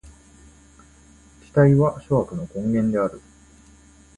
期待は諸悪の根源である。